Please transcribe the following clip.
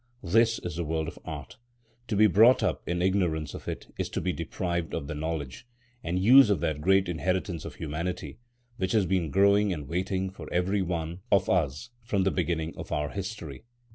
This is the world of Art. To be brought up in ignorance of it is to be deprived of the knowledge and use of that great inheritance of humanity, which has been growing and waiting for every one of us from the beginning of our history.